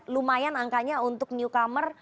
lumayan angkanya untuk newcomer